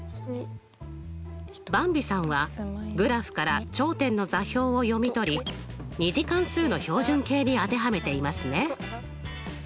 ばんびさんはグラフから頂点の座標を読み取り２次関数の標準形に当てはめていますね。